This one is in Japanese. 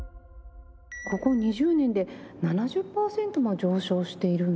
ここ２０年で７０パーセントも上昇しているんですね。